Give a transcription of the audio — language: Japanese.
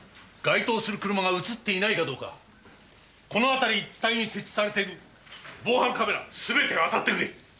該当する車が映っていないかどうかこの辺り一帯に設置されている防犯カメラ全てあたってくれ！